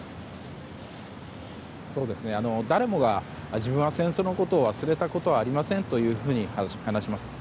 誰もが自分は戦争のことを忘れたことはありませんと話します。